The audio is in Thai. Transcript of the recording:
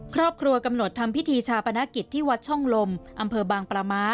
ครอบครัวกำหนดทำพิธีชาปนกิจที่วัดช่องลมอำเภอบางปลาม้า